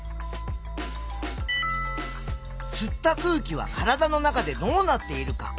「吸った空気は体の中でどうなっている」か？